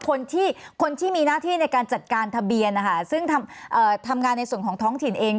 คนที่คนที่มีหน้าที่ในการจัดการทะเบียนนะคะซึ่งเอ่อทำงานในส่วนของท้องถิ่นเอง